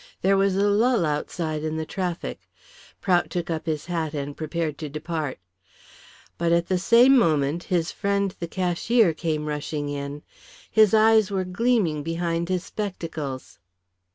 There was a lull outside in the traffic. Prout took up his hat and prepared to depart. But the same moment his friend, the cashier, came rushing in. His eyes were gleaming behind his spectacles.